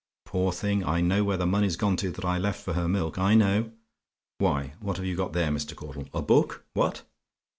Poor thing! I know where the money's gone to that I left for her milk I know. Why, what have you got there, Mr. Caudle? A book? What!